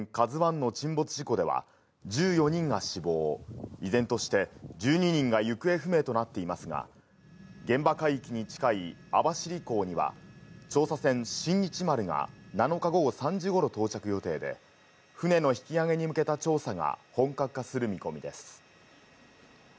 ＫＡＺＵＩの沈没事故では、１４人が死亡、依然として、１２人が行方不明となっていますが、現場海域に近い網走港には、調査船新日丸が７日午後３時ごろ到着予定で、船の引き揚げに向けた調査が本格化する見込みです。